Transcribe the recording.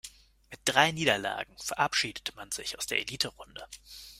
Mit drei Niederlagen verabschiedete man sich aus der Eliterunde.